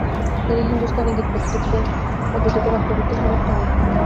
তিনি হিন্দুস্তানি গীত পদ্ধতিকে রপ্ত করতে সমর্থ হন।